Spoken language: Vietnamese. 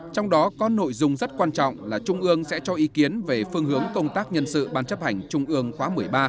trong đó có nội dung rất quan trọng là trung ương sẽ cho ý kiến về phương hướng công tác nhân sự ban chấp hành trung ương khóa một mươi ba